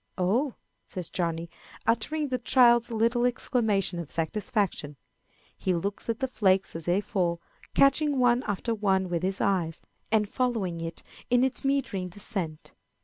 "Oh!" says Johnny, uttering the child's little exclamation of satisfaction. He looks at the flakes as they fall, catching one after another with his eye, and following it in its meandering descent.